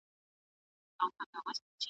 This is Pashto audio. له غریبانو سره مهرباني وکړئ.